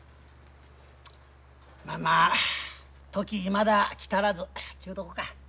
まあまあ時いまだ来らずちゅうとこか。